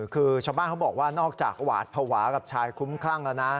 คือชาวบ้านเขาบอกว่านอกจากหวาดภาวะกับชายคุ้มคลั่งแล้วนะ